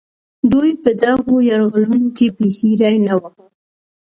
دوی په دغو یرغلونو کې بېخي ري نه واهه.